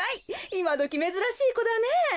いまどきめずらしいこだねえ。